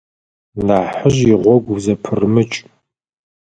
Нахьыжь игъогу узэпырымыкӏ.